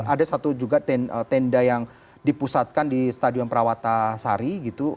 ada satu juga tenda yang dipusatkan di stadion perawata sari gitu